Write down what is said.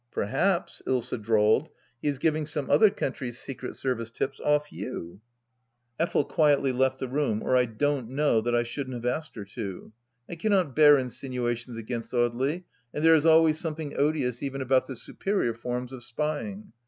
" Perhaps," Ilsa drawled, " he is giving sonxe other country's secret service tips off you \" 76 THE LAST DITCH Effel quietly left the room, or I don't know that I shouldn't have asked her to. I cannot bear insinuations against Audely, and there is always something odious even about the superior forms of spying.